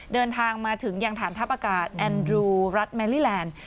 เดินทางมาถึงยังฐานทัพอากาศแอนดรูรัฐแมลี่แลนด์